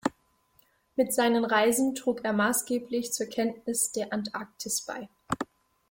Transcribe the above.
Mit seinen Reisen trug er maßgeblich zur Kenntnis der Antarktis bei.